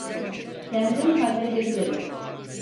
Kendim halledebilirim.